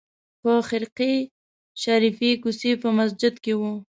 په خرقې شریفې کوڅې په مسجد کې وه.